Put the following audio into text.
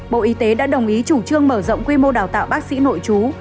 bộ y tế đã đồng ý chủ trương mở rộng quy mô đào tạo bác sĩ nội chú